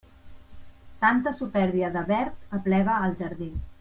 Tanta supèrbia de verd aplega al jardí.